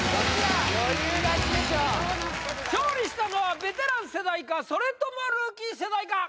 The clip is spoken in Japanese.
余裕勝ちでしょ勝利したのはベテラン世代かそれともルーキー世代か？